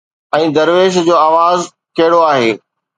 ۽ درويش جو آواز ڪهڙو آهي